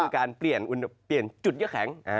การเปลี่ยนจุดเยอะแข็ง